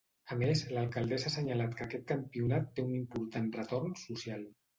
A més, l’alcaldessa ha assenyalat que aquest campionat té un important retorn social.